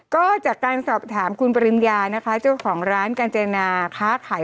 ก็จากการสอบถามคุณปริญญานะคะเจ้าของร้านกาญจนาค้าขาย